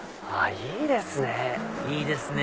いいですね！